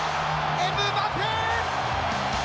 エムバペ。